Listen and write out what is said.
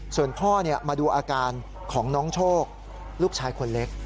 ส่วนพ่อมาดูอาการของน้องโชคลูกชายคนเล็ก